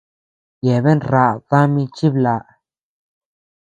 Yeabean raʼa dami chiblaʼa.